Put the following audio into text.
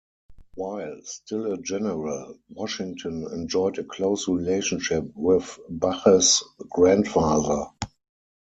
While still a general, Washington enjoyed a close relationship with Bache's grandfather.